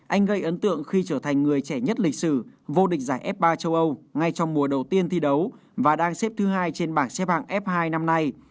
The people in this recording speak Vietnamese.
anh gây ấn tượng khi trở thành người trẻ nhất lịch sử vô địch giải f ba châu âu ngay trong mùa đầu tiên thi đấu và đang xếp thứ hai trên bảng xếp hạng f hai năm nay